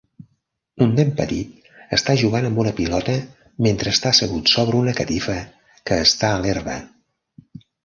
Un nen petit està jugant amb una pilota mentre està assegut sobre una catifa que està a l'herba